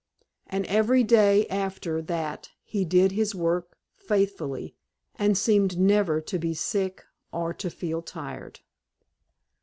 And every day after that he did his work faithfully, and seemed never to be sick or to feel tired.